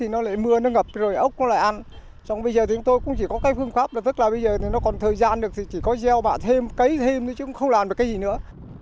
nếu nó còn thời gian được thì chỉ có gieo bã thêm cấy thêm chứ không làm được cái gì nữa